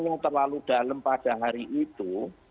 yang terlalu dalam pada hari itu